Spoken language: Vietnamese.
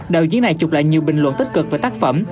đạo diễn này chụp lại nhiều bình luận tích cực về tác phẩm